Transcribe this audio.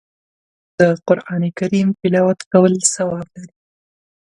د قرآن کریم تلاوت کول ثواب لري